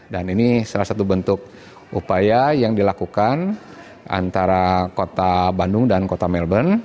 dan ini salah satu bentuk upaya yang dilakukan antara kota bandung dan kota melbourne